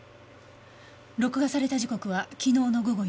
録画された時刻は昨日の午後１時。